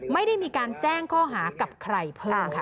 ไม่ได้มีการแจ้งข้อหากับใครเพิ่มค่ะ